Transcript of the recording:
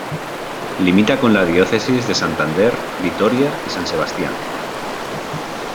Limita con las diócesis de Santander, Vitoria y San Sebastián.